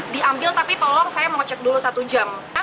diambil tapi tolong saya mau cek dulu satu jam